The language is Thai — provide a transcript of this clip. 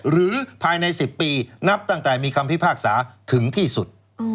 หรือภายใน๑๐ปีนับตั้งแต่มีคำพิพากษาถึงที่สุด